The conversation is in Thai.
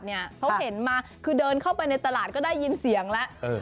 เขาเห็นมาคือเดินเข้าไปในตลาดก็ได้ยินเสียงแล้ว